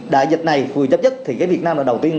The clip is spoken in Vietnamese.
đại dịch này vừa chấp nhận thì cái việt nam là đầu tiên